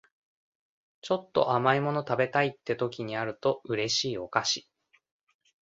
ちょっと甘い物食べたいって時にあると嬉しいお菓子